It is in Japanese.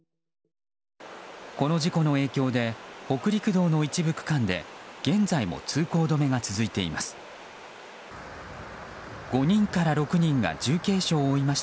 この事故の影響で北陸道の一部区間で現在も通行止めが続いています。